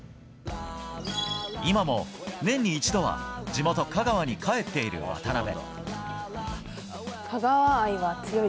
今も年に一度は地元・香川に帰っている渡邊。